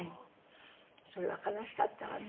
それは悲しかったわね。